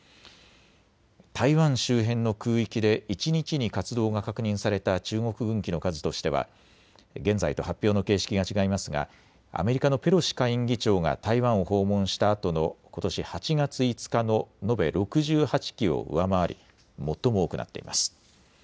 台湾周辺の空域で一日に活動が確認された中国軍機の数としては現在と発表の形式が違いますがアメリカのペロシ下院議長が台湾を訪問したあとのことし８月５日の延べ６８機を上回り最も多くなっています。